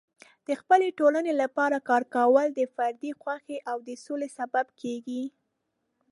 د خپلې ټولنې لپاره کار کول د فردي خوښۍ او د سولې سبب کیږي.